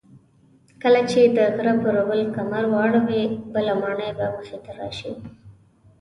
کله چې د غره پر بل کمر واوړې بله ماڼۍ به مخې ته راشي.